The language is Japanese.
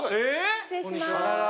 失礼します。